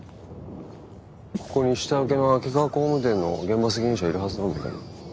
ここに下請けの秋川工務店の現場責任者いるはずなんだけど。